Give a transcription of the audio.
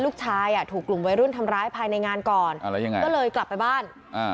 ลูกชายถูกหลุงวัยรุ่นทำร้ายภายในงานก่อนก็เลยกลับไปบ้าน